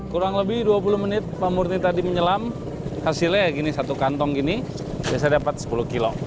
kurang lebih dua puluh menit pak murni tadi menyelam hasilnya gini satu kantong gini biasa dapat sepuluh kilo